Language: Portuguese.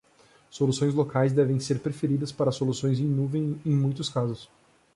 Soluções locais devem ser preferidas para soluções em nuvem em muitos casos.